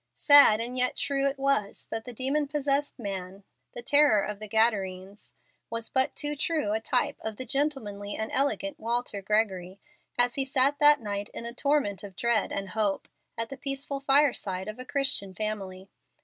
Sad and yet true it was that the demon possessed man, the terror of the Gadarenes, was but too true a type of the gentlemanly and elegant Walter Gregory, as he sat that night in a torment of dread and hope at the peaceful fireside of a Christian family.